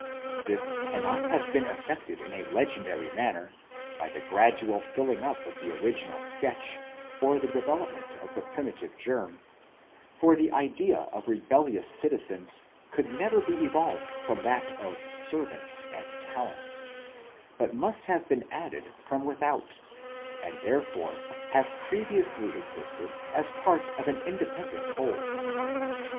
This cannot have been effected in a legendary manner, by the gradual filling up of the original sketch, or the development of the primitive germ ; for the idea of rebellious citizens could never be evolved from that of servants and talents, but must have been added from without, and therefore have previously existed as part of an independent whole.